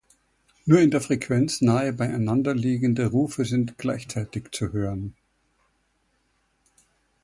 Nur in der Frequenz nahe beieinander liegende Rufe sind gleichzeitig zu hören.